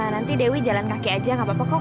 nanti dewi jalan kakek aja nggak apa apa kok